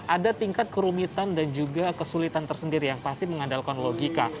ada tingkat kerumitan dan juga kesulitan tersendiri yang pasti mengandalkan logika